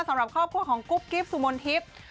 สำหรับครอบครัวของกุ๊กกิฟต์สุมนติป